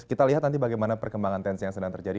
kita lihat nanti bagaimana perkembangan tensi yang sedang terjadi